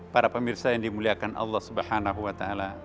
para pemirsa yang dimuliakan allah swt